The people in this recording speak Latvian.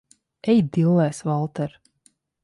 Ej dillēs, Valter!